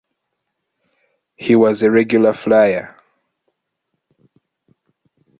He was a regular flyer.